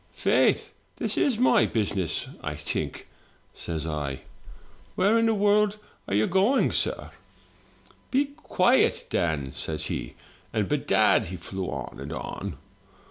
'Faith, this is my business, I think,' says I. 'Where in the world are you going, sir?' " 'Be quiet, Dan!' says he, and bedad he flew on and on.